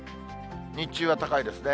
日中は高いですね。